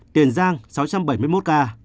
tiền giang sáu trăm bảy mươi một ca